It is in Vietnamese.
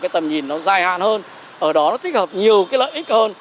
tầm nhìn nó dài hạn hơn ở đó nó thích hợp nhiều cái lợi ích hơn